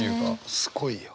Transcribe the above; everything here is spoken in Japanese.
すごいよ。